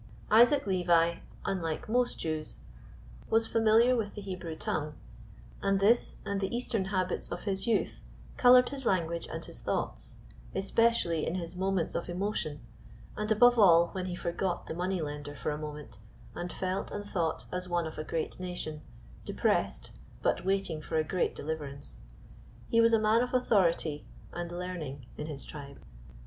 Isaac Levi, unlike most Jews, was familiar with the Hebrew tongue, and this and the Eastern habits of his youth colored his language and his thoughts, especially in his moments of emotion, and above all, when he forgot the money lender for a moment, and felt and thought as one of a great nation, depressed, but waiting for a great deliverance. He was a man of authority and learning in his tribe.